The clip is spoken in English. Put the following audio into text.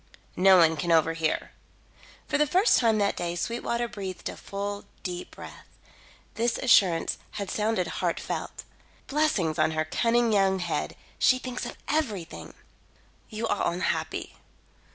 "No one can overhear." For the first time that day Sweetwater breathed a full, deep breath. This assurance had sounded heartfelt. "Blessings on her cunning young head. She thinks of everything." "You are unhappy.